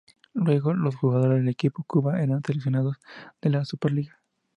Luego, los jugadores del equipo Cuba eran seleccionados de la Súper Liga.